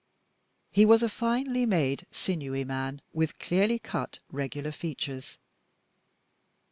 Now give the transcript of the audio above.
He was a finely made, sinewy man, with clearly cut, regular features.